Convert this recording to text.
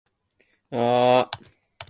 お化け屋敷には一生入りたくない。